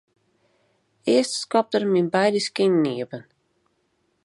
Earst skopt er myn beide skinen iepen.